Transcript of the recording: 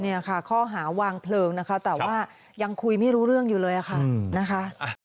เนี่ยค่ะข้อหาวางเพลิงนะคะแต่ว่ายังคุยไม่รู้เรื่องอยู่เลยค่ะนะคะ